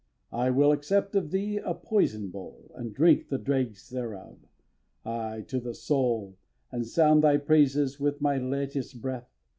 x. I will accept of thee a poison bowl And drink the dregs thereof, aye! to the soul, And sound thy praises with my latest breath!